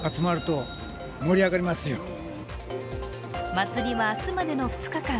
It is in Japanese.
祭りは明日までの２日間。